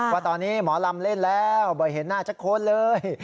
ว่าตอนนี้หมอลำเล่นแล้วไม่เห็นหน้าสักคนเลย